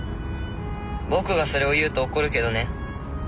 僕がそれを言うと怒るけどね。